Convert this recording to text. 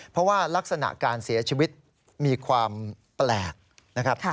เพราะว่ารักษณะการเสียชีวิตมีความแปลกนะครับ